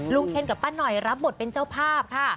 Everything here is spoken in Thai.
เคนกับป้าหน่อยรับบทเป็นเจ้าภาพค่ะ